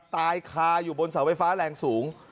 ตายคาอยู่บนเสาไฟฟ้าแรงสูง